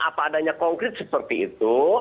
apa adanya konkret seperti itu